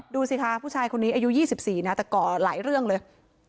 ดูสิคะผู้ชายคนนี้อายุ๒๔นะแต่ก่อหลายเรื่องเลย